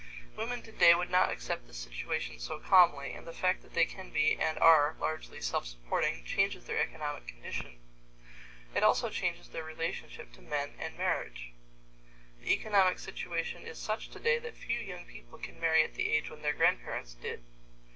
Women today would not accept this situation so calmly, and the fact that they can be and are largely self supporting changes their economic condition. It also changes their relationship to men and marriage. The economic situation is such today that few young people can marry at the age when their grandparents did.